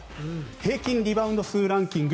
平均リバウンド数ランキング